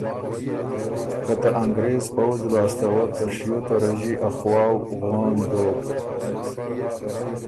او ته انګرېز پؤځ لاسته وه ته شیو ته رݫی ا خواؤ غون دوک۔